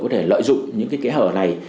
có thể lợi dụng những cái hở này